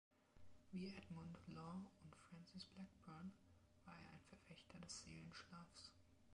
Wie Edmund Law und Francis Blackburne war er ein Verfechter des Seelenschlafs.